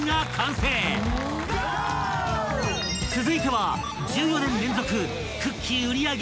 ［続いては］